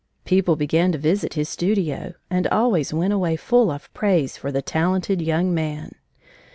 People began to visit his studio and always went away full of praise for the talented young man.